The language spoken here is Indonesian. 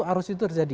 harus itu terjadi